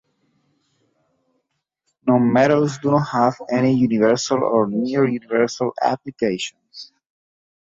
Nonmetals do not have any universal or near-universal applications.